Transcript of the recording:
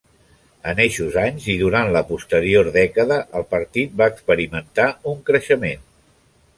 En eixos anys i durant la posterior dècada, el partit va experimentar un creixement.